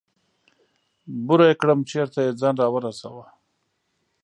بوره يې کړم چېرته يې ځان راورسوه.